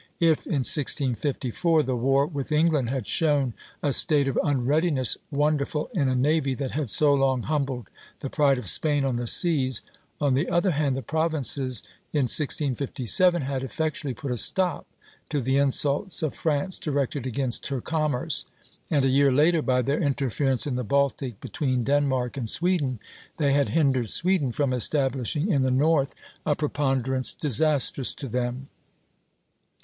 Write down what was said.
If, in 1654, the war with England had shown a state of unreadiness wonderful in a navy that had so long humbled the pride of Spain on the seas, on the other hand the Provinces, in 1657, had effectually put a stop to the insults of France directed against her commerce; and a year later, "by their interference in the Baltic between Denmark and Sweden, they had hindered Sweden from establishing in the North a preponderance disastrous to them.